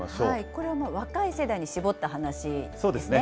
これは若い世代に絞った話ですね。